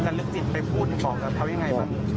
กันลึกจิตไปพูดบอกว่าทำยังไงบ้าง